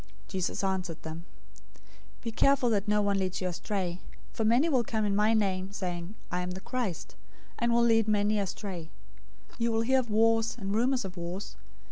024:004 Jesus answered them, "Be careful that no one leads you astray. 024:005 For many will come in my name, saying, 'I am the Christ,' and will lead many astray. 024:006 You will hear of wars and rumors of wars.